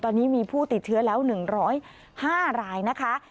ตอนนี้มีผู้ติดเชื้อแล้ว๑๐๕รายนะคะ